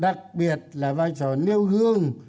đặc biệt là vai trò nêu gương